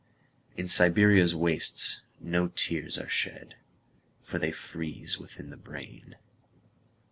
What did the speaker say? In Siberia's wastesNo tears are shed, For they freeze within the brain.